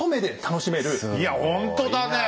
いやほんとだねえ。